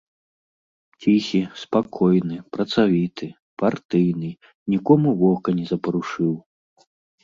Ціхі, спакойны, працавіты, партыйны, нікому вока не запарушыў.